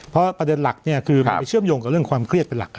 เพราะประเด็นหลักเนี่ยคือมันไปเชื่อมโยงกับเรื่องความเครียดเป็นหลัก